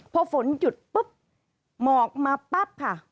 พอฝนหยุดปุ๊บหมอกมาปั๊บค่ะ